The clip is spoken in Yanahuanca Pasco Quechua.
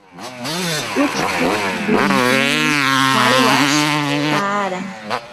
uchku rurinchawmi waywash taaran.